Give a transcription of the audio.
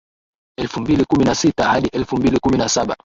Elfu mbili kumi na sita hadi elfu mbili kumi na saba